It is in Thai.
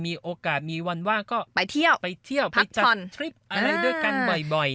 มีโอกาสมีวันว่างก็ไปเที่ยวไปเที่ยวไปจัดทริปอะไรด้วยกันบ่อย